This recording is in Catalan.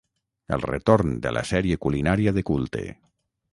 El retorn de la sèrie culinària de culte